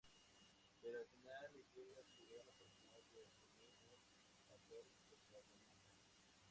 Pero al fin le llega su gran oportunidad de asumir un papel protagonista.